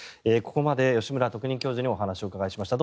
ここまで吉村特任教授にお話をお伺いしました。